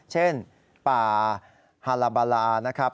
เช่นป่าฮาลาบาลานะครับ